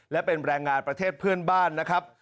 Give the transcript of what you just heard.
และเป็นแรงงานประเทศเพื่อนบ้านนะครับ